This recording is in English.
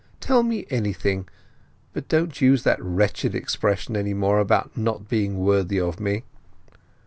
Tell me anything, but don't use that wretched expression any more about not being worthy of me."